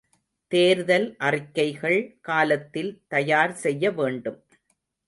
தேர்தல் அறிக்கைகள் காலத்தில் தயார் செய்ய வேண்டும்.